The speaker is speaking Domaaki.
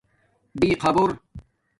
بِخآبُور